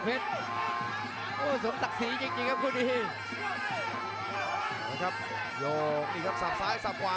ประเภทมัยยังอย่างปักส่วนขวา